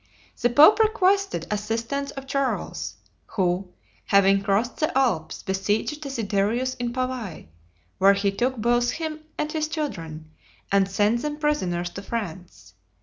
The pope requested assistance of Charles, who, having crossed the Alps, besieged Desiderius in Pavai, where he took both him and his children, and sent them prisoners to France.